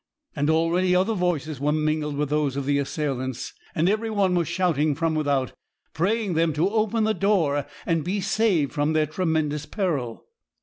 And already other voices were mingled with those of the assailants; and every one was shouting from without, praying them to open the door, and be saved from their tremendous peril.